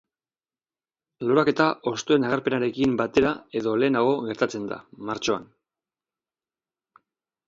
Loraketa hostoen agerpenarekin batera edo lehenago gertatzen da, martxoan.